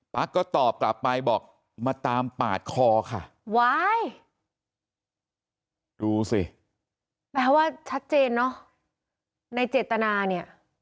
ก็ตอบกลับไปบอกมาตามปาดคอค่ะว้ายดูสิแปลว่าชัดเจนเนอะในเจตนาเนี่ย